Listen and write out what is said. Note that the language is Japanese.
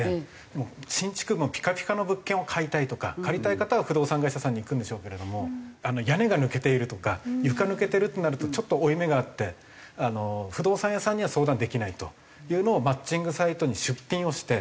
もう新築もうピカピカの物件を買いたいとか借りたい方は不動産会社さんに行くんでしょうけれども屋根が抜けているとか床抜けてるってなるとちょっと負い目があって不動産屋さんには相談できないというのをマッチングサイトに出品をして。